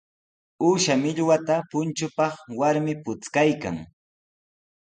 Uusha millwata punchupaq warmi puchkaykan.